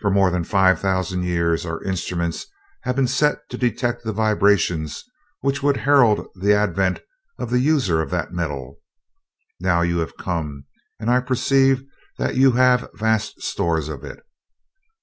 For more than five thousand years our instruments have been set to detect the vibrations which would herald the advent of the user of that metal. Now you have come, and I perceive that you have vast stores of it.